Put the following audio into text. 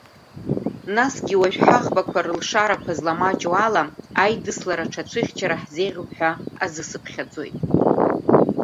Насгьы уажәы ҳаӷбақәа рылшарақәа зламаҷу ала, аидыслара аҽацәыхьчара ҳзеиӷьуп ҳәа азысыԥхьаӡоит.